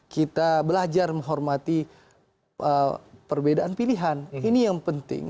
kita belajar menghormati perbedaan pilihan ini yang penting